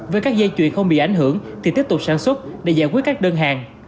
về các dây chuyện không bị ảnh hưởng thì tiếp tục sản xuất để giải quyết các đơn hàng